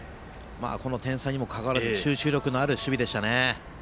この点差にもかかわらず集中力のある守備でした。